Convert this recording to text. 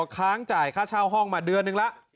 ค้างจ่ายค่าเช่าห้องมาเดือนนึงแล้ว